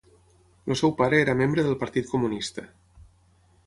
El seu pare era membre del partit comunista.